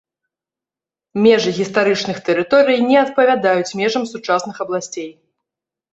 Межы гістарычных тэрыторый не адпавядаюць межам сучасных абласцей.